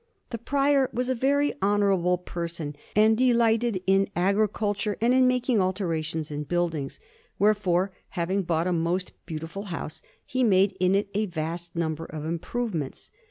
The Prior was a very honourable person, and delighted in agriculture and in making alterations in buildings; wherefore, having bought a most beautiful house, he made in it a vast number of improvements.